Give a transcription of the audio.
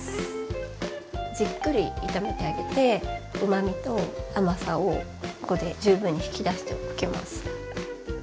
じっくり炒めてあげてうまみと甘さをここで十分に引き出しておきます。